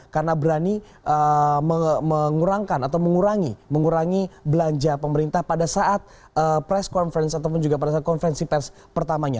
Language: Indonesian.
karena berani mengurangi belanja pemerintah pada saat press conference ataupun juga pada saat konferensi press pertamanya